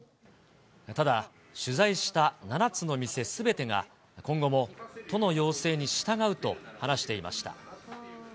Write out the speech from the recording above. ただ、取材した７つの店すべてが今後も都の要請に従うと話していました。